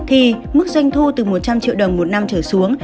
thì mức doanh thu từ một trăm linh triệu đồng một năm trở xuống